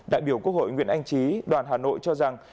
đại biểu quốc hội nguyễn anh trí đoàn hà nội cho rằng